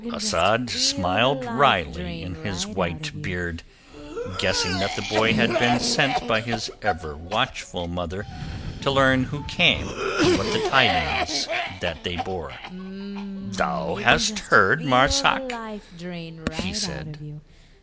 Asad smiled wrily in his white beard, guessing that the boy had been sent by his ever watchful mother to learn who came and what the tidings that they bore. "Thou hast heard, Marzak?" he said.